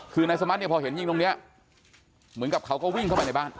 คือนายสมัติเนี่ยพอเห็นยิงตรงนี้เหมือนกับเขาก็วิ่งเข้าไปในบ้าน